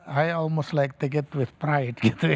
saya hampir suka ambil dengan bangga gitu ya